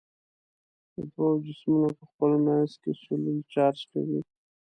د دوو جسمونو په خپل منځ کې سولول چارج کوي.